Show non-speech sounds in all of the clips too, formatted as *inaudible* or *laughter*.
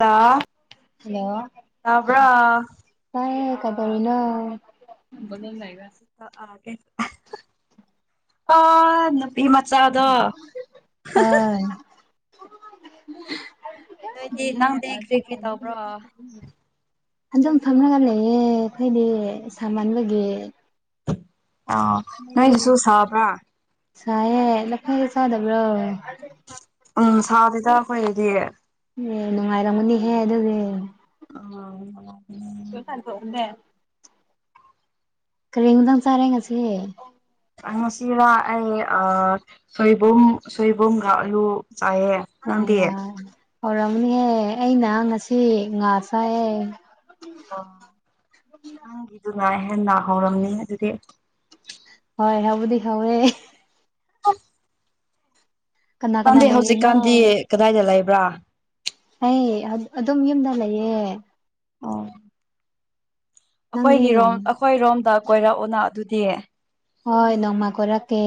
hello hello ꯇꯥꯕ꯭ꯔꯣ ꯀꯥꯏ ꯀꯥꯕꯔꯅ ꯦ ꯑ ꯇꯤ ꯃꯆꯥꯗꯣ ꯅꯣꯏꯗꯤ ꯅꯪꯗꯤ ꯀ꯭ꯔꯤ ꯀ꯭ꯔꯤ ꯇꯧꯕ꯭ꯔꯣ ꯅꯤ ꯑꯗꯨꯝ ꯐꯝꯅꯒ ꯂꯩꯌꯦ ꯑꯩꯈꯣꯏꯗꯤ ꯁꯥꯃꯟꯕꯒꯤ ꯑꯥ ꯅꯣꯏꯒꯤꯁꯨ ꯁꯥꯕ꯭ꯔꯥ ꯁꯥꯏꯌꯦꯦ ꯂꯐꯥꯏꯒ ꯆꯥꯗꯕ꯭ꯔꯣ ꯎꯝ ꯁꯥꯁꯤꯦꯗ ꯑꯩꯈꯣꯏꯗꯤ ꯑꯦ ꯅꯨꯡꯉꯥꯏꯔꯝꯒꯅꯤꯍꯦ ꯑꯗꯨꯗꯤ ꯑ ꯊ ꯇꯣꯗ ꯀꯔꯤꯗꯪ ꯆꯥꯔꯦ ꯉꯁꯤ ꯉꯁꯤꯔ ꯑꯩ ꯁꯣꯏꯕꯨꯝ ꯁꯣꯏꯕꯨꯝꯒ ꯑꯗꯨꯔꯨ ꯆꯥꯏꯌꯦ ꯑ ꯅꯪꯗꯤ ꯌꯥꯔ ꯍꯧꯔꯃꯅꯦꯍꯦ ꯑꯩꯅ ꯉꯁꯤ ꯉꯥ ꯆꯥꯛꯑꯦ ꯑꯣ ꯅꯪꯒꯤꯗꯨꯅꯍꯦ ꯂ ꯍꯧꯧꯔꯝꯅꯤ ꯑꯗꯨꯗꯤ ꯍꯣꯏ ꯍꯕꯨꯗꯤ ꯍꯧꯋꯦ ꯑ ꯀꯅꯥ ꯀꯅꯥ ꯀꯥꯟꯗꯤ ꯂꯩꯔꯤꯅꯣ ꯍꯧꯖꯤꯛꯀꯥꯟꯗꯤ ꯀꯗꯥꯏꯗ ꯂꯩꯕ꯭ꯔꯥ ꯍ ꯑꯗꯨꯝ ꯌꯨꯝꯗ ꯂꯩꯌꯦ ꯑ ꯅꯪꯗꯤ ꯑꯩꯈꯣꯏꯒꯤꯔꯣꯝ ꯑꯩꯈꯣꯏꯔꯣꯝꯗ ꯀꯣꯏꯔꯛꯎꯅ ꯑꯗꯨꯗꯤ ꯍꯣꯏ ꯅꯣꯡꯃ ꯀꯔꯛꯀꯦ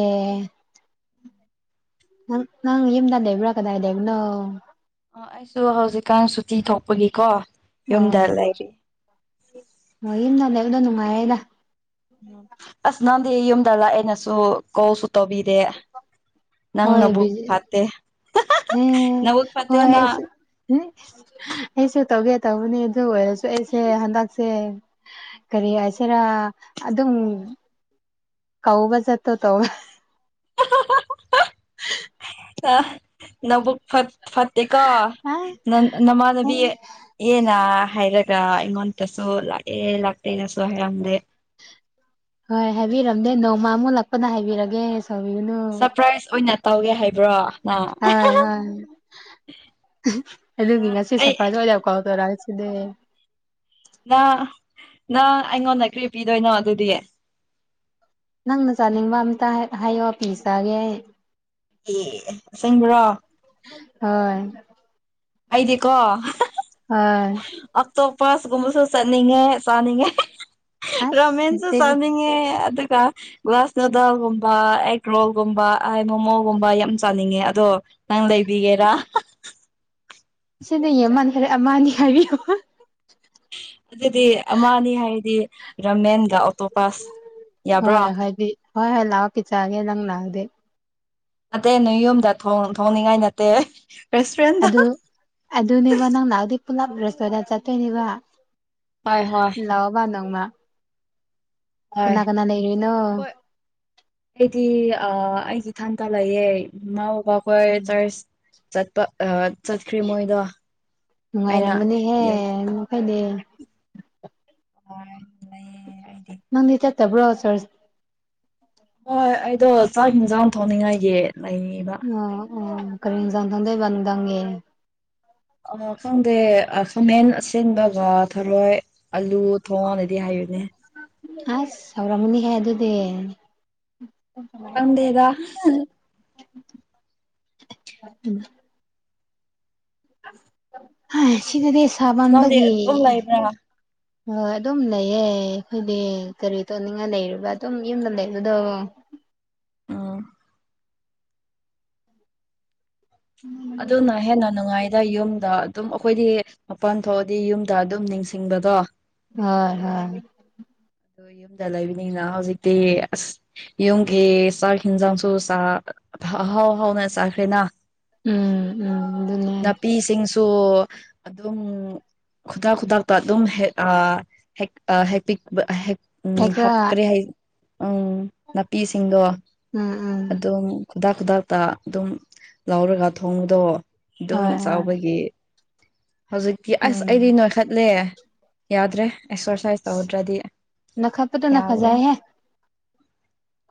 ꯅꯪ ꯅꯪ ꯌꯦꯃꯗ ꯗꯦꯕ꯭ꯔ ꯀꯗꯥ ꯗꯦꯕꯅꯣ ꯑꯩꯁꯨ ꯍꯧꯖꯤꯛꯀꯥꯟ ꯁꯨꯇꯤ ꯊꯣꯛꯄꯒꯤꯀꯣ ꯌꯨꯝꯗ ꯑꯣ ꯂꯩꯔꯤ ꯍꯣꯏ ꯌꯨꯝꯗ ꯂꯩꯕꯗꯣ ꯅꯨꯡꯉꯥꯏꯌꯦꯗ ꯎꯝ ꯑꯁ ꯅꯪꯗꯤ ꯌꯨꯝꯗ ꯂꯥꯛꯑꯦꯅꯁꯨ ꯀꯣꯜꯁꯨ ꯇꯧꯕꯤꯔꯦ ꯅꯪ ꯍꯣꯏ ꯅꯕꯨꯛ ꯕꯤꯖꯤ ꯐꯥꯇꯦ ꯑꯦ ꯅꯕꯨꯛ ꯍꯣꯏ ꯐꯥꯇꯦꯅ ꯑꯩꯁꯨ ꯑꯩꯁꯨ ꯇꯧꯒꯦ ꯇꯧꯕꯅꯤ ꯑꯗꯨ ꯑꯣꯏꯔꯁꯨ ꯑꯩꯁꯦ ꯍꯟꯗꯛꯁꯦ ꯀꯔꯤ ꯍꯥꯏꯁꯤꯔꯥ ꯑꯗꯨꯝ ꯀꯧꯕ ꯆꯠꯇꯣ ꯇꯧ *inaudible* ꯍ ꯑ ꯅꯛ ꯐ ꯐꯠꯇꯦꯀꯣ ꯅ ꯅꯃꯥꯟꯅꯕꯤ ꯌꯦꯅ ꯍꯥꯏꯔꯛꯦ ꯗꯥ ꯑꯩꯉꯣꯟꯗꯁꯨ ꯂꯥꯛꯑꯦ ꯂꯥꯛꯇꯦꯅꯁꯨ ꯍꯥꯏꯔꯝꯗꯦ ꯍꯣꯏ ꯍꯥꯏꯕꯤꯔꯝꯗꯦ ꯅꯣꯡꯃ ꯑꯃꯨꯛ ꯂꯥꯛꯄꯗ ꯍꯥꯏꯕꯤꯔꯒꯦ ꯁꯥꯎꯕꯤꯔꯅꯨ ꯁꯔꯄ꯭ꯔꯥꯏꯁ ꯑꯣꯏꯅ ꯇꯧꯒꯦ ꯍꯥꯏꯕ꯭ꯔꯣ ꯅꯪ ꯍꯣꯏ ꯍꯣꯏ ꯑꯗꯨꯒꯤ ꯅꯪ ꯉꯁꯤ ꯑꯩ ꯁꯄꯔꯁ ꯑꯣꯅ ꯀꯥꯜ ꯇꯧꯔꯛꯏꯖꯦ *unintelligible* ꯅꯪ ꯅꯪ ꯑꯩꯉꯣꯟꯗ ꯀ꯭ꯔꯤ ꯄꯤꯗꯣꯏꯅꯣ ꯑꯗꯨꯗꯤ ꯅꯪꯅ ꯆꯥꯅꯤꯡꯕ ꯑꯝꯇ ꯍꯥꯏꯌꯣ ꯄꯤ ꯆꯥꯒꯦ ꯑꯩ ꯑꯦ ꯁꯦꯡꯕ꯭ꯔꯣ ꯍꯣꯏ ꯑꯩꯗꯤꯀꯣ ꯍꯣꯏ ꯑꯇꯣꯞꯄꯁꯀꯨꯝꯕꯁꯨ ꯆꯠꯅꯤꯡꯉꯦ ꯆꯥꯅꯤꯡꯉꯦ ꯑꯁ ꯔꯃꯦꯟꯁꯨ ꯆꯅꯤꯡꯉꯦ ꯑꯗꯨꯒ ꯒꯥꯁ ꯅꯨꯗꯜꯒꯨꯝꯕ ꯑꯦꯛ ꯔꯣꯜꯒꯨꯝꯕ ꯃꯣꯃꯣꯒꯨꯝꯕ ꯌꯥꯝ ꯆꯥꯅꯤꯡꯉꯦ ꯑꯗꯣ ꯅꯪ ꯂꯩꯏꯕꯤꯒꯦꯔꯥ ꯁꯤꯗ ꯌꯃꯟꯈꯔꯦ ꯑꯃ ꯑꯅꯤ ꯍꯥꯏꯕꯤꯌꯨ ꯑꯗꯨꯗꯤ ꯑꯃ ꯑꯅꯤ ꯍꯥꯏꯔꯗꯤ ꯔꯃꯦꯟꯒ ꯑꯣꯇꯣꯞ ꯍꯣꯏ ꯍꯣꯏꯗꯤ ꯍꯣꯏ ꯍꯣꯏ ꯂꯥꯛꯑꯣ ꯄꯆꯒꯦ ꯅꯪ ꯂꯥꯛꯑꯗꯤ ꯑꯇꯩ ꯅꯣꯏ ꯌꯨꯝꯗ ꯊꯣꯡ ꯊꯣꯡꯅꯤꯡꯉꯥꯏ ꯅꯠꯇꯦ ꯔꯦꯁꯇꯨꯔꯦꯟꯗ ꯑꯗꯨ ꯑꯗꯨꯅꯦꯕ ꯅꯪ ꯑꯗꯨ ꯄꯨꯂꯞ ꯔꯦꯁꯇꯨꯔꯦꯟ ꯆꯠꯇꯣꯏꯅꯦꯕ ꯍꯣꯏ ꯍꯣꯏ ꯂꯥꯛꯑꯣꯕ ꯅꯣꯡꯃ ꯍꯣꯏ ꯀꯅ ꯀꯅ ꯂꯩꯔꯤꯅꯣ ꯍꯣꯏ ꯑꯩꯗꯤ ꯑꯥ ꯑꯩ ꯏꯊꯥꯟ ꯇ ꯂꯩꯌꯦ ꯃꯧ ꯑꯩꯈꯣꯏ ꯆꯔꯁ ꯆꯠꯄ ꯑ ꯆꯠꯈ꯭꯭ꯔꯦ ꯃꯣꯏꯗꯣ ꯑꯩꯅ ꯅꯨꯡꯉꯥꯏꯔꯝꯒꯅꯤꯍꯦ ꯌꯨꯝꯗ *unintelligible* ꯍꯣꯏ ꯅꯪꯗꯤ ꯆꯠꯇꯕ꯭ꯔꯣ ꯆꯔꯁ ꯍꯣꯏ ꯑꯩꯗꯣ ꯆꯥꯛ ꯌꯦꯟꯖꯥꯡ ꯊꯣꯡꯅꯤꯡꯉꯥꯏꯒꯤ ꯂꯩꯌꯦꯕ ꯑꯣ ꯑꯣ ꯀꯔꯤ ꯍꯤꯟꯖꯥꯡ ꯊꯣꯡꯗꯣꯏꯕ ꯅꯨꯡꯗꯥꯡꯒꯤ ꯑꯥ ꯈꯪꯗꯦ ꯈꯥꯃꯦꯟ ꯑꯁꯦꯡꯕꯒ ꯊꯔꯣꯏ ꯑꯂꯨ ꯊꯣꯡꯉꯅꯤ ꯑꯁ ꯁꯧꯔꯝꯅꯤ ꯍꯥꯏ ꯑꯗꯨꯗꯤ *inaudible* ꯈꯪꯗꯦꯗ ꯑꯁ ꯁꯤꯗꯗꯤ ꯅꯪꯗꯤ ꯁꯥꯕꯥꯟꯕꯒꯤ ꯑꯗꯨꯝ ꯂꯩꯕ꯭ꯔꯥ ꯍꯣꯏ ꯑꯗꯨꯝ ꯂꯩꯌꯦ ꯑꯩꯈꯣꯏꯗꯤ ꯀꯔꯤ ꯇꯧꯅꯤꯡꯉꯥꯏ ꯂꯩꯔꯤꯕꯔ ꯑꯗꯨꯝ ꯌꯨꯝꯗ ꯂꯩꯕꯗꯣ ꯑꯣ ꯑꯗꯨꯅ ꯍꯦꯟꯅ ꯅꯨꯡꯉꯥꯏ ꯑꯗ ꯌꯨꯝꯗ ꯑꯗꯨꯝ ꯑꯩꯈꯣꯏꯗꯤ ꯃꯄꯥꯟ ꯊꯣꯛꯑꯗꯤ ꯌꯨꯝꯗ ꯑꯗꯨꯝ ꯅꯤꯡꯁꯤꯡꯕꯗꯣ ꯍꯣꯏ ꯍꯣꯏ ꯑꯗ ꯌꯨꯝꯗ ꯂꯩꯕꯤꯅꯤꯅ ꯍꯧꯖꯤꯛꯇꯤ ꯑꯁ ꯌꯨꯝꯒꯤ ꯆꯥꯛ ꯌꯦꯟꯖꯥꯡꯁꯨ ꯆꯥ ꯍꯥꯎ ꯍꯥꯎꯅ ꯆꯥꯈꯔꯦꯅ ꯎꯝ ꯎꯝ ꯑꯗꯨꯅꯦ ꯅꯥꯄꯤꯁꯤꯡꯁꯨ ꯑꯗꯨꯝ ꯈꯨꯗꯛ ꯈꯨꯗꯛꯇ ꯑꯗꯨꯝ ꯍꯦꯛ ꯑ ꯍꯦꯛ ꯑ ꯍꯦꯛ ꯄꯤꯛ *unintelligible* ꯀꯩ ꯎꯝ ꯈꯔ ꯍꯥꯞꯀ꯭ꯔꯦ ꯍꯥꯏ ꯎꯝ ꯅꯥꯄꯤꯁꯤꯡꯗꯣ ꯎꯝ ꯎꯝ ꯑꯗꯨꯝ ꯈꯨꯗꯥꯛ ꯈꯨꯗꯥꯛꯇ ꯑꯗꯨꯝ ꯂꯧꯔꯒ ꯊꯣꯡꯕꯗꯣ ꯑꯗꯨꯝ ꯍꯣꯏ ꯍꯣꯏ ꯆꯥꯎꯕꯒꯤ ꯍꯧꯖꯤꯛꯇꯤ ꯑꯁ ꯑꯩꯗꯤ ꯎꯝ ꯅꯣ ꯈꯠꯂꯦ ꯌꯥꯗ꯭ꯔꯦ ꯑꯦꯛꯁꯔꯁꯥꯏꯁ ꯇꯧꯗ꯭ꯔꯗꯤ ꯅꯣꯏꯈꯠꯄꯗꯨꯅ ꯌꯥꯗ꯭ꯔꯦ ꯐꯖꯩꯍꯦ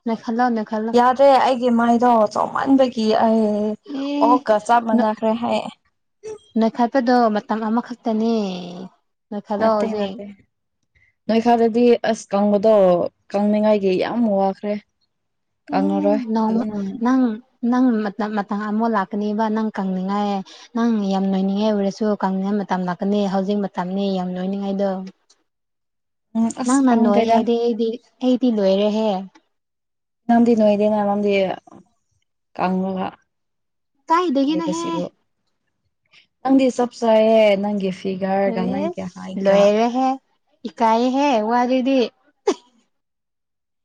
ꯅꯣꯏꯈꯠꯂꯣ ꯅꯣꯏꯈꯠꯂꯣ ꯅꯠꯇꯦ ꯑꯩꯒꯤ ꯃꯥꯏꯗꯣ ꯆꯥꯎꯃꯟꯕꯒꯤ ꯑꯩ ꯑꯦ ꯑꯣꯛꯀ ꯆꯞ ꯅꯣꯏ ꯃꯥꯟꯅꯈ꯭ꯔꯦ ꯍꯥꯏ ꯅꯣꯏꯈꯠꯄꯗꯣ ꯃꯇꯝ ꯑꯃꯈꯛꯇꯅꯦ ꯅꯣꯏꯈꯠꯂꯣ ꯅꯠꯇꯦ ꯍꯧꯖꯤꯛ ꯅꯠꯇꯦ ꯅꯣꯏꯈꯠꯂꯗꯤ ꯑꯁ ꯀꯪꯕꯗꯣ ꯀꯪꯅꯤꯡꯉꯥꯏꯒꯤ ꯌꯥꯝ ꯋꯥꯈ꯭ꯔꯦ ꯑꯦ ꯀꯪꯉꯔꯣꯏ ꯑꯗꯨ ꯅꯣꯡꯃ ꯎꯝ ꯅꯪ ꯅꯪ ꯃꯇꯝ ꯑꯃꯨꯛ ꯂꯥꯛꯀꯅꯦꯕ ꯅꯪ ꯀꯪꯅꯤꯡꯉꯥꯏ ꯅꯪ ꯌꯥꯝ ꯅꯣꯏꯅꯤꯡꯉꯥꯏ ꯑꯣꯏꯔꯁꯨ ꯀꯪꯅꯤꯉꯥꯏ ꯃꯇꯝ ꯂꯥꯛꯀꯅꯤ ꯍꯧꯖꯤꯛ ꯃꯇꯝꯅꯤ ꯌꯥꯝ ꯅꯣꯏꯅꯤꯡꯉꯥꯏꯗꯨ ꯎꯝ ꯑꯁ ꯅꯪꯅ ꯅꯣꯏ ꯈꯪꯗ꯭ꯔꯦꯗ ꯍꯥꯏꯗꯤ ꯑꯩꯗꯤ ꯑꯩꯗꯤ ꯂꯣꯏꯔꯦꯍꯦ ꯅꯪꯗꯤ ꯅꯣꯏꯗꯦꯅ ꯅꯪꯗꯤ ꯀꯪꯉꯒ ꯀꯥꯏꯗꯒꯤꯅꯣꯍꯦ ꯍꯥꯏꯕꯁꯤꯕꯨ ꯅꯪꯗꯤ ꯆꯞ ꯆꯥꯏꯌꯦ ꯅꯪꯒꯤ ꯐꯤ ꯑꯦ ꯂꯣꯏꯔꯦꯍꯦ ꯏꯀꯥꯏꯌꯦꯍꯦ ꯋꯥꯖꯤꯗꯤ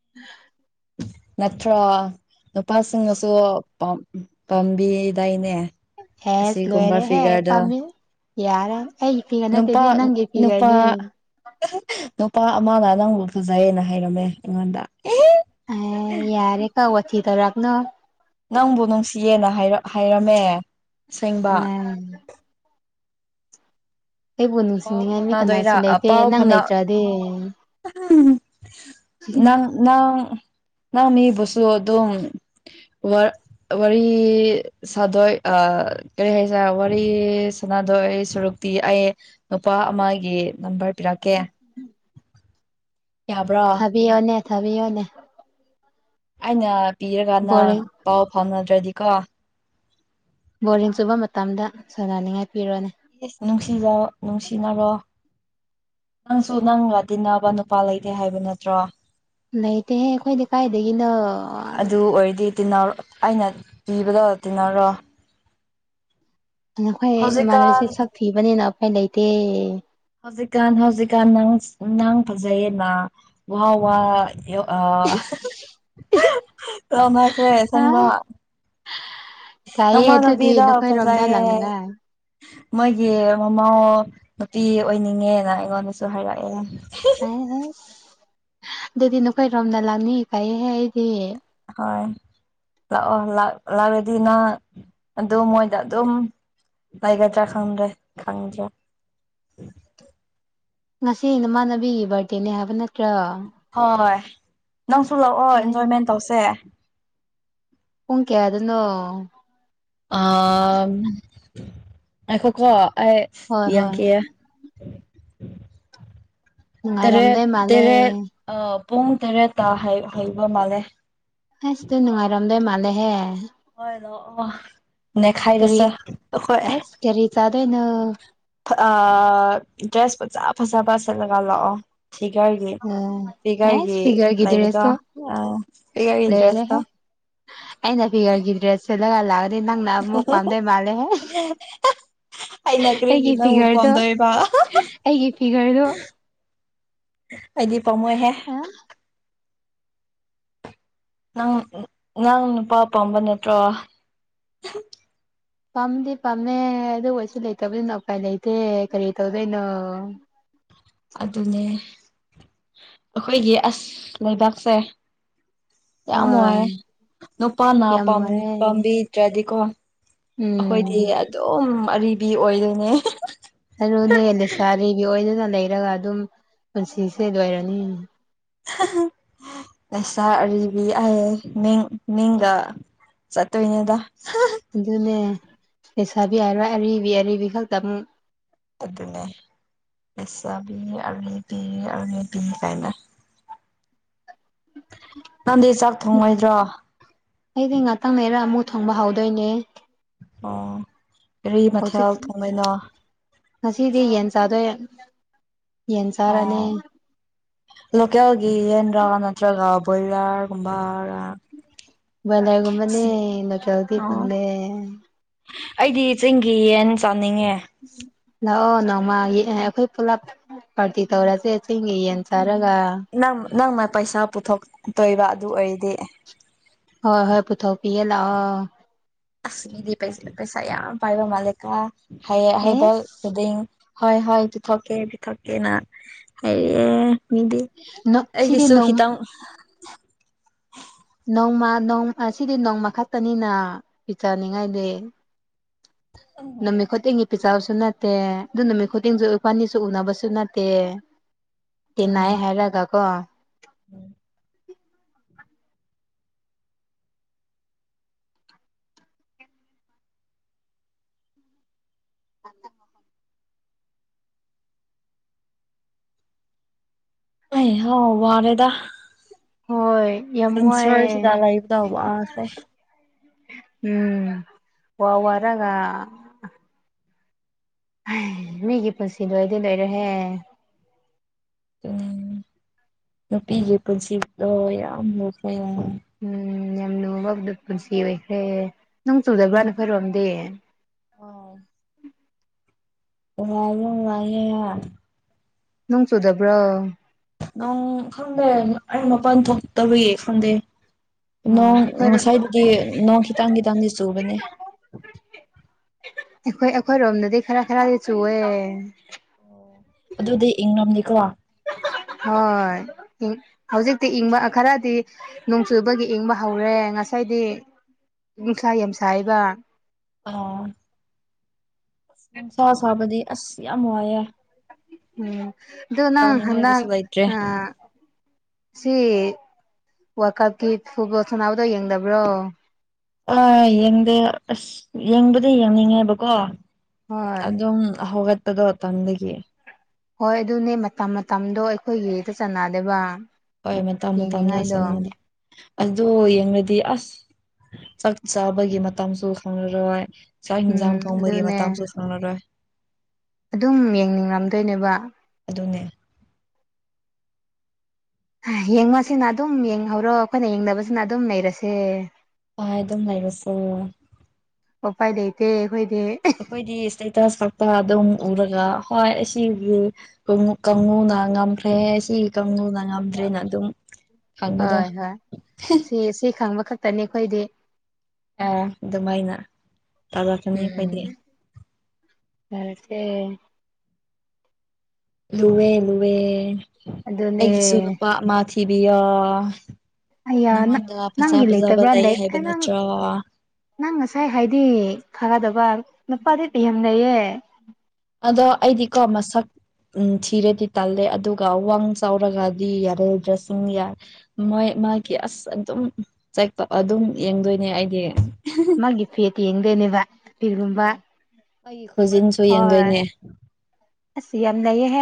*unintelligible* ꯅꯠꯇ꯭ꯔꯣ ꯅꯨꯄꯥꯁꯤꯡꯅꯁꯨ ꯄꯥꯝ ꯄꯥꯝꯕꯤꯗꯥꯏꯅꯦ ꯍꯦꯁ ꯑꯁꯤꯒꯨꯝꯕ ꯂꯋꯔꯦꯍꯦ ꯐꯤꯒꯔꯗꯣ ꯄꯝꯕꯤꯅꯤ ꯌꯥꯔꯦ ꯑꯩꯒꯤ ꯐꯤꯒꯔ ꯅꯨꯄꯥ ꯅꯠꯇꯦꯅꯦ ꯅꯪꯒꯤ ꯅꯨꯄꯥ ꯐꯤꯒꯔꯅꯤ ꯅꯨꯄꯥ ꯑꯃꯅ ꯅꯪꯕꯨ ꯐꯖꯩꯌꯦꯅ ꯍꯥꯏꯔꯝꯃꯦ ꯑꯩꯉꯣꯟꯗ ꯑꯦ ꯌꯥꯔꯦ ꯀꯣ ꯋꯥꯊꯤ ꯇꯧꯔꯛꯀꯅꯣ ꯅꯪꯕꯨ ꯅꯨꯡꯁꯤꯌꯦꯅ ꯍꯥꯏꯔꯛ ꯍꯥꯏꯔꯝꯃꯦ ꯑꯁꯦꯡꯕ ꯀꯅꯥ ꯑꯩꯕꯨ ꯄꯥꯎ ꯅꯨꯡꯁꯤꯅꯤꯡꯉꯥꯏ ꯃꯤ ꯐꯥꯎꯅꯥꯗꯣꯏꯔꯥ ꯀꯅꯥꯁꯨ ꯂꯩꯇꯦ ꯄꯥꯎ ꯅꯪ ꯐꯥꯎꯅꯥ ꯂꯩꯇ꯭ꯔꯗꯤ ꯅꯪ ꯅꯪ ꯅꯪ ꯃꯤꯕꯨꯁꯨ ꯑꯗꯨ ꯑꯗꯨ ꯋꯥꯔꯤ ꯁꯥꯗꯣꯏ ꯑ ꯀꯔꯤ ꯍꯥꯏꯁꯦ ꯋꯥꯔꯤ ꯁꯥꯟꯅꯗꯣꯏ ꯁꯨꯔꯨꯛꯇꯤ ꯑꯩ ꯅꯨꯄꯥ ꯑꯃꯒꯤ ꯅꯝꯕꯔ ꯄꯤꯔꯛꯀꯦ ꯌꯥꯕ꯭ꯔꯣ ꯊꯥꯕꯤꯌꯣꯅꯦ ꯊꯥꯕꯤꯌꯣꯅꯦ ꯑꯩꯅ ꯄꯤꯔꯀꯥꯟꯗ ꯕꯣꯔꯤꯡ ꯄꯥꯎ ꯐꯥꯎꯅꯗ꯭ꯔꯗꯤꯀꯣ ꯕꯣꯔꯤꯡ ꯆꯨꯕ ꯃꯇꯝꯗ ꯁꯥꯟꯅꯅꯤꯡꯉꯥꯏ ꯄꯤꯔꯣꯅꯦ ꯏꯁꯁ ꯅꯨꯡꯁꯤꯅꯧ ꯅꯨꯡꯁꯤꯅꯔꯣ ꯅꯪꯁꯨ ꯅꯪꯒ ꯇꯤꯟꯅꯕ ꯅꯨꯄꯥ ꯂꯩꯇꯦ ꯍꯥꯏꯕ ꯅꯠꯇ꯭ꯔꯣ ꯂꯩꯇꯦꯍꯦ ꯑꯩꯈꯣꯏꯗꯤ ꯀꯥꯏꯗꯒꯤꯅ ꯑꯗꯨ ꯑꯣꯏꯔꯗꯤ ꯇꯤꯟꯅꯔꯣ ꯑꯩꯅ ꯄꯤꯕꯗꯣ ꯇꯤꯟꯅꯔꯣ ꯅꯈꯣꯏ ꯍꯧꯖꯤꯛꯀꯥꯟ ꯏꯃꯥꯟꯅꯕꯤꯁꯦ ꯁꯛ ꯊꯤꯕꯅꯦꯅ ꯑꯩꯈꯣꯏ ꯂꯩꯇꯦ ꯍꯧꯖꯤꯛꯀꯥꯟ ꯍꯧꯖꯤꯛꯀꯥꯟ ꯅ ꯅꯪ ꯐꯖꯩꯌꯦꯅ ꯋꯥ ꯋꯥ ꯑ ꯁꯦ ꯑ ꯑꯁꯦꯡꯕ ꯏꯀꯥꯏꯌꯦ ꯑꯗꯨꯗꯤ ꯅꯃꯥꯟꯅꯕꯤꯔꯥ ꯅꯈꯣꯏꯔꯣꯝꯗ ꯐꯖꯩꯌꯦ ꯂꯥꯛꯅꯤꯡꯉꯥꯏ ꯃꯣꯏꯒꯤ ꯃꯃꯧ ꯅꯨꯄꯤ ꯑꯣꯏꯅꯤꯡꯉꯦꯅ ꯑꯩꯉꯣꯟꯗꯁꯨ ꯍꯥꯏꯔꯛꯑꯦ ꯑ ꯍꯩꯁ ꯑꯗꯨꯗꯤ ꯅꯈꯣꯏꯔꯣꯝꯗ ꯂꯥꯛꯅꯤ ꯐꯩꯌꯦꯍꯦ ꯑꯩꯗꯤ ꯍꯣꯏ ꯂꯥꯛꯑꯣ ꯂꯥꯛ ꯂꯥꯛꯑꯗꯤꯅꯪ ꯑꯗꯨꯝ ꯃꯣꯏꯗ ꯑꯗꯨꯝ ꯂꯩꯒꯗ꯭ꯔ ꯈꯪꯗ꯭ꯔꯦ ꯈꯪꯗ꯭ꯔꯦ ꯉꯁꯤ ꯅꯃꯥꯟꯅꯕꯤꯒꯤ ꯕꯥꯔꯗꯦꯅꯦ ꯍꯥꯏꯕ ꯅꯠꯇ꯭ꯔꯣ ꯍꯣꯏ ꯅꯪꯁꯨ ꯂꯥꯛꯑꯣ ꯏꯟꯖꯣꯏꯃꯦꯟ ꯇꯧꯁꯦ ꯄꯨꯡ ꯀꯌꯥꯗꯅꯣ ꯑ ꯉꯥꯏꯈꯣꯀꯣ ꯑꯩ ꯍꯣꯏ ꯍꯣꯏ ꯌꯦꯡꯒꯦ ꯇꯔꯦꯠ ꯅꯨꯡꯉꯥꯏꯔꯝꯗꯣꯏ ꯃꯥꯜꯂꯦ ꯇꯔꯦꯠ ꯑ ꯄꯨꯡ ꯇꯔꯦꯠꯇ ꯍꯩ ꯍꯩꯕ ꯃꯥꯜꯂꯦ ꯑꯁ ꯗꯨ ꯅꯨꯡꯉꯥꯏꯔꯝꯗꯣꯏ ꯃꯥꯜꯂꯦꯍꯦ ꯍꯣꯏ ꯂꯥꯛꯑꯣ ꯀꯔꯤ ꯅꯦꯈꯥꯏꯔꯁꯦ ꯑꯩꯈꯣꯏ ꯑꯦꯁ ꯀꯔꯤ ꯆꯥꯗꯣꯏꯅꯣ ꯐ ꯑ ꯗ꯭ꯔꯦꯁ ꯐꯖ ꯐꯖꯕ ꯁꯦꯠꯂꯒ ꯂꯥꯛꯑꯣ ꯐꯤꯒꯔꯒꯤ ꯑꯦꯁ ꯐꯤꯒꯔꯒꯤ ꯐꯤꯒꯔꯒꯤ ꯂꯩꯕꯗꯣ ꯗ꯭ꯔꯦꯁꯇꯣ ꯑ ꯐꯤꯒꯔꯒꯤ ꯗ꯭ꯔꯦꯁꯇꯣ ꯂꯣꯏꯔꯦꯍꯦ ꯑꯩꯅ ꯐꯤꯒꯔꯒꯤ ꯗ꯭ꯔꯦꯁ ꯁꯦꯠꯂꯒ ꯂꯥꯛꯑꯗꯤ ꯅꯪꯅ ꯑꯃꯨꯛ ꯄꯥꯝꯗꯣꯏ ꯃꯥꯜꯂꯦꯉꯣ ꯑꯩꯅ *unintelligible* ꯀꯔꯤꯒꯤ ꯑꯩꯒꯤ ꯅꯪꯕꯨ ꯐꯤꯒꯔꯗꯣ ꯄꯥꯝꯗꯣꯏꯕ ꯑꯩꯒꯤ ꯐꯤꯒꯔꯗꯣ ꯑꯩꯗꯤ ꯄꯥꯃꯣꯏꯍꯦ ꯑꯥ ꯅꯪ ꯅꯪ ꯅꯨꯄꯥ ꯄꯥꯝꯕ ꯅꯠꯇ꯭ꯔꯣ ꯄꯥꯝꯗꯤ ꯄꯥꯝꯃꯦ ꯑꯗꯨ ꯑꯣꯏꯁꯨ ꯂꯩꯇꯕꯅꯤꯅ ꯎꯄꯥꯏ ꯂꯩꯇꯦ ꯀꯔꯤ ꯇꯧꯗꯣꯏꯅꯣ ꯑꯗꯨꯅꯦ ꯑꯈꯣꯏꯒꯤ ꯑꯁ ꯂꯩꯕꯥꯛꯁꯦ ꯌꯥꯝ ꯋꯥꯏꯌꯦ ꯍꯣꯏ ꯅꯨꯄꯥꯅ ꯌꯥꯝ ꯄꯥꯝ ꯋꯥꯔꯦ ꯄꯥꯝꯕꯤꯗ꯭ꯔꯗꯤꯀꯣ ꯎꯝ ꯑꯩꯈꯣꯏꯗꯤ ꯑꯗꯨꯝ ꯑꯔꯤꯕ ꯑꯣꯏꯗꯣꯏꯅꯦ ꯑꯗꯨꯨꯅꯦ ꯂꯩꯁꯥ ꯑꯥꯔꯤꯕꯤ ꯑꯣꯏꯗꯨꯅ ꯂꯩꯔꯒ ꯑꯗꯨꯝ ꯄꯨꯟꯁꯤꯁꯦ ꯂꯣꯏꯔꯅꯤ *unintelligible* ꯂꯩꯁꯥ ꯑꯔꯤꯕꯤ ꯑꯩꯌꯦ ꯃꯤꯡ ꯃꯤꯡꯒ ꯆꯠꯇꯣꯏꯅꯦꯗ *unintelligible* ꯑꯗꯨꯅꯦ ꯂꯩꯩꯁꯥꯕꯤ ꯍꯥꯏꯔꯣꯏ ꯑꯔꯤꯕꯤ ꯑꯔꯤꯕꯤ ꯈꯛꯇꯪ ꯑꯗꯨꯅꯦ ꯂꯩꯁꯥꯕꯤ ꯑꯔꯤꯕꯤ ꯑꯔꯤꯕꯤ ꯀꯥꯏꯅ ꯅꯪꯗꯤ ꯆꯥꯛ ꯊꯣꯡꯉꯣꯏꯗ꯭ꯔꯣ ꯑꯩꯗꯤ ꯉꯥꯛꯇꯪ ꯂꯩꯔ ꯑꯃꯨꯛ ꯊꯣꯡꯕ ꯍꯧꯗꯣꯏꯅꯦ ꯑꯣ ꯀꯔꯤ ꯍꯧꯖꯤꯛ ꯃꯥꯊꯦꯜ ꯊꯣꯡꯗꯣꯏꯅꯣ ꯉꯁꯤꯗꯤ ꯌꯦꯟ ꯆꯥꯗꯣꯏ ꯌꯦꯟ ꯆꯥꯔꯅꯤ ꯑꯣ ꯂꯣꯀꯦꯜꯒꯤ ꯌꯦꯟꯔꯥ ꯅꯠꯇ꯭ꯔꯒ ꯕꯣꯏꯂꯔꯒꯨꯝꯕ ꯔꯥ ꯕꯣꯏꯂꯔꯒꯨꯝꯕꯅꯦ ꯂꯣꯀꯦꯜꯗꯤ ꯑꯣ ꯐꯪꯗꯦ ꯑꯩꯗꯤ ꯆꯤꯡꯒꯤ ꯌꯦꯟ ꯆꯥꯅꯤꯡꯉꯦ ꯂꯥꯛꯑꯣ ꯅꯣꯡꯃ ꯌꯦꯑꯦ ꯑꯩꯈꯣꯏ ꯄꯨꯂꯞ ꯄꯥꯔꯇꯤ ꯇꯧꯔꯁꯦ ꯆꯤꯡꯒꯤ ꯌꯦꯟ ꯆꯥꯔꯒ ꯅꯪ ꯅꯪꯅ ꯄꯩꯁꯥ ꯄꯨꯊꯣꯛꯇꯣꯏꯔ ꯑꯗꯨ ꯑꯣꯏꯔꯗꯤ ꯍꯣꯏ ꯍꯣꯏ ꯄꯨꯊꯣꯛꯄꯤꯒꯦ ꯂꯥꯛꯑꯣ ꯑꯁ ꯃꯤꯗꯤ ꯄꯩꯁꯥ ꯄꯩꯁꯥ ꯌꯥꯝ ꯄꯥꯏꯕ ꯃꯥꯜꯂꯦꯀꯣ ꯍꯌꯦꯡ ꯍꯩꯗ ꯑꯦꯁ ꯈꯨꯗꯤꯡ ꯍꯣꯏ ꯍꯣꯏ ꯄꯤꯊꯣꯛꯀꯦ ꯄꯤꯊꯣꯛꯀꯦꯅ ꯍꯥꯏꯔꯛꯑꯦ ꯃꯤꯗꯤ ꯁꯤꯗꯤ ꯑꯩꯒꯤꯁꯨ ꯅꯣꯡ ꯈꯤꯇꯪ ꯅꯣꯡꯃ ꯅꯣꯡꯃ ꯑꯁꯤꯗꯤ ꯅꯣꯡꯃꯥ ꯈꯛꯇꯅꯤꯅ ꯄꯤꯖꯅꯤꯡꯉꯥꯏꯗꯤ ꯅꯨꯃꯤꯠ ꯈꯨꯗꯤꯡꯒꯤ ꯄꯤꯖꯕꯁꯨ ꯅꯠꯇꯦ ꯑꯗꯨ ꯅꯨꯃꯤꯠ ꯈꯨꯗꯤꯡꯁꯨ ꯏꯕꯥꯅꯤꯁꯨ ꯎꯅꯕꯁꯨ ꯅꯠꯇꯦ ꯇꯤꯟꯅꯩ ꯍꯥꯏꯔꯒ ꯀꯣ ꯎꯝ *inaudible* ꯎꯏ ꯍꯥꯎ ꯋꯥꯔꯦꯗ ꯍꯣꯏ ꯌꯥꯝ ꯋꯥꯏꯌꯦ ꯁꯪꯁꯥꯔꯁꯤꯗ ꯂꯩꯕꯗ ꯋꯥꯈ꯭ꯔꯦ ꯎꯝ ꯋꯥ ꯋꯥꯔꯒ ꯃꯤꯒꯤ ꯄꯨꯟꯁꯤ ꯂꯣꯏꯗꯤ ꯂꯣꯏꯔꯣꯏꯍꯦ ꯎꯝ ꯅꯨꯄꯤꯒꯤ ꯄꯨꯟꯁꯤꯗꯣ ꯌꯥꯝ ꯂꯨꯈꯔꯦ *unintelligible* ꯎꯝ ꯌꯥꯝ ꯂꯨꯕ ꯄꯨꯟꯁꯤ ꯑꯣꯏꯈ꯭ꯔꯦ ꯅꯣꯡ ꯆꯨꯗꯕꯔ ꯌꯥꯝ ꯅꯈꯣꯏꯔꯣꯝꯗꯤ *unintelligible* ꯅꯨꯉꯥꯏꯍꯦ ꯅꯣꯡ ꯆꯨꯗꯕ꯭ꯔꯣ ꯅꯣꯡ ꯈꯪꯗꯦ ꯑꯩ ꯃꯄꯥꯜ ꯊꯣꯛꯇꯕꯒꯤ ꯈꯪꯗꯦ ꯑꯣ ꯅꯣꯡ ꯑꯩꯈꯣꯏ ꯉꯁꯥꯏꯕꯨꯗꯤ ꯅꯣꯡ ꯈꯤꯇꯪ ꯈꯤꯇꯪꯗꯤ ꯆꯨꯕꯅꯦ ꯑꯩꯈꯣꯏ ꯑꯩꯈꯣꯏꯔꯣꯝꯗꯗꯤ ꯈꯔ ꯈꯔꯗꯤ ꯆꯨꯏꯌꯦ ꯑꯗꯨꯗꯤ ꯏꯪꯂꯝꯅꯤꯀꯣ ꯍꯣꯏ ꯍꯧꯖꯤꯛꯇꯤ ꯏꯪꯕ ꯈꯔꯗꯤ ꯅꯣꯡ ꯆꯨꯕꯒꯤ ꯏꯪꯕ ꯍꯧꯔꯦ ꯉꯁꯥꯏꯗꯤ ꯅꯨꯡꯁꯥ ꯌꯥꯝ ꯁꯥꯌꯦꯕ ꯑꯥ ꯅꯨꯡꯁꯥ ꯁꯥꯕꯗꯤ ꯑꯁ ꯌꯥꯝ ꯋꯥꯏꯑꯦ ꯎꯝ ꯑꯗꯨ ꯍꯟꯗꯛ ꯂꯩꯇ꯭ꯔꯦ ꯑ ꯁꯤ ꯋꯥꯔꯜ ꯀꯞꯀꯤ ꯐꯨꯠꯕꯣꯜ ꯁꯥꯟꯅꯕꯗꯣ ꯌꯦꯡꯗꯕ꯭ꯔꯣ ꯑꯥ ꯌꯦꯡꯗꯦ ꯑꯁ ꯌꯦꯡꯕꯗꯤ ꯌꯦꯡꯅꯤꯡꯉꯦꯕꯀꯣ ꯍꯣꯏ ꯑꯗꯨꯝ ꯍꯧꯒꯛꯄꯗꯣ ꯇꯟꯕꯒꯤ ꯍꯣꯏ ꯑꯗꯨꯅꯦ ꯃꯇꯝ ꯃꯇꯝꯗꯣ ꯑꯩꯈꯣꯏꯒꯤꯗꯤ ꯆꯥꯟꯅꯗꯕ ꯀꯩ ꯃꯇꯝ - ꯃꯇꯝꯅꯣ ꯑꯗꯨ ꯌꯦꯡꯂꯗꯤ ꯑꯁ ꯆꯥꯛ ꯆꯥꯕꯒꯤ ꯃꯇꯝꯁꯨ ꯈꯪꯂꯔꯣꯏ ꯆꯥꯛ ꯌꯦꯟꯖꯥꯡ ꯎꯝ ꯊꯣꯡꯕꯒꯤ ꯑꯗꯨꯅꯦ ꯃꯇꯝꯁꯨ ꯐꯪꯂꯔꯣꯏ ꯑꯗꯨꯝ ꯌꯦꯡꯅꯤꯡ ꯂꯝꯗꯣꯏꯅꯦꯕ ꯑꯗꯨꯅꯦ ꯌꯦꯡꯕꯁꯤꯅ ꯑꯗꯨꯝ ꯌꯦꯡꯍꯧꯔꯣ ꯑꯩꯈꯣꯏꯅ ꯌꯦꯡꯗꯕꯁꯤꯅ ꯑꯗꯨꯝ ꯂꯩꯔꯁꯦ ꯍꯣꯏ ꯑꯗꯨꯝ ꯂꯩꯔꯁꯦ ꯎꯄꯥꯏ ꯂꯩꯇꯦ ꯑꯩꯈꯣꯏꯗꯤ ꯑꯩꯈꯣꯏꯗꯤ ꯏꯁꯇꯦꯇꯁ ꯈꯛꯇ ꯑꯗꯨꯝ ꯎꯔꯒ ꯍꯣꯏ ꯑꯁꯤꯒꯤ ꯀꯉ ꯀꯉꯨ ꯉꯝ ꯃꯦꯁꯤ ꯀꯥꯡꯕꯨꯅ ꯉꯝꯗ꯭ꯔꯦꯅ ꯑꯗꯨꯝ ꯈꯪꯕꯗꯣ ꯃꯦꯁꯤ ꯈꯪꯕ ꯈꯛ ꯇꯅꯤ ꯑꯩꯈꯣꯏꯗꯤ ꯑꯦ ꯑꯗꯨꯃꯥꯏꯅ ꯇꯧꯔꯛꯀꯅꯤ ꯑꯈꯣꯏꯗꯤ ꯌꯔꯁꯦ ꯂꯨꯑꯦ ꯂꯨꯑꯦ ꯑꯗꯨꯅꯦ ꯑꯩꯒꯤꯁꯨ ꯅꯨꯄꯥ ꯑꯃ ꯊꯤꯕꯤꯌꯣ ꯑꯌꯥ ꯅꯪ ꯅꯪꯉꯣꯟꯗ ꯐꯖ ꯅꯪꯒꯤ ꯐꯖꯕ ꯂꯩꯇꯕ꯭ꯔꯥ ꯂꯩ ꯍꯥꯏꯕ ꯅꯪ ꯅꯠꯇ꯭ꯔꯣ ꯅꯪ ꯉꯁꯥꯏ ꯍꯥꯏꯗꯤ ꯈꯪꯒꯗꯕ ꯅꯨꯄꯥꯗꯤ ꯌꯥꯝ ꯂꯩꯩꯌꯦ ꯑꯗꯣ ꯑꯩꯗꯤꯀꯣ ꯃꯁꯛ ꯎꯝ ꯊꯤꯔꯗꯤ ꯇꯥꯜꯂꯦ ꯑꯗꯨꯒ ꯋꯥꯡ ꯆꯥꯎꯔꯒꯗꯤ ꯌꯔꯣꯏꯗꯔꯥ ꯁꯨꯡꯌꯥ ꯃꯣꯏ ꯃꯥꯒꯤ ꯑꯁ ꯑꯗꯨꯝ ꯆꯛꯄ ꯑꯗꯨꯝ ꯌꯦꯡꯗꯣꯏꯅꯦ ꯑꯩꯗꯤ ꯃꯥꯒꯤ ꯐꯦꯠ ꯌꯦꯡꯗꯣꯏꯅꯦꯕ ꯐꯤꯒꯨꯝꯕ ꯑꯩꯒꯤ ꯈꯨꯖꯤꯟꯁꯨ ꯍꯣꯏ ꯍꫭꯏ ꯌꯦꯡꯗꯣꯏꯅꯦ ꯑꯁ ꯌꯥꯝ ꯅꯩꯌꯦꯍꯦ